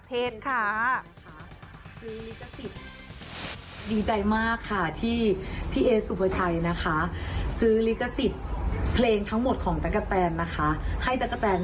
เต็มที่อยากจะขอเพลงไหน